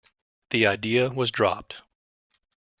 The idea was dropped.